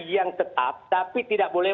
yang tetap tapi tidak boleh